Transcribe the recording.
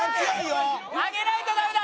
上げないとダメだ。